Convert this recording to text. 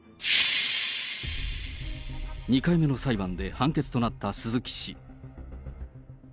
２回目の裁判で判決となった鈴木氏。